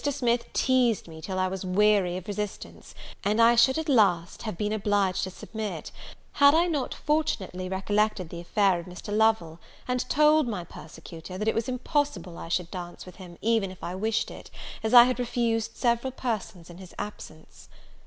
Smith teased me till I was weary of resistance; and I should at last have been obliged to submit, had I not fortunately recollected the affair of Mr. Lovel, and told my persecutor, that it was impossible I should dance with him, even if I wished it, as I had refused several persons in his absence.